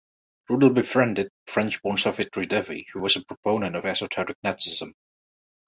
Rudel befriended French-born Savitri Devi who was a proponent of Esoteric Nazism.